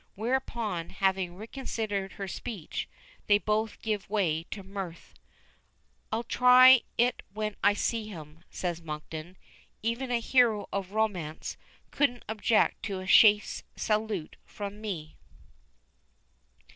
Whereupon, having reconsidered her speech, they both give way to mirth. "I'll try it when I see him," says Monkton. "Even a hero of romance couldn't object to a chaste salute from me."